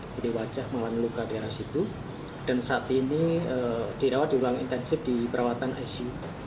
jadi wajah mengalami luka di arah situ dan saat ini dirawat di ruang intensif di perawatan icu